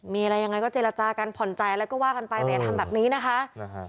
มีอะไรยังไงก็เจรจากันผ่อนใจอะไรก็ว่ากันไปแต่อย่าทำแบบนี้นะคะ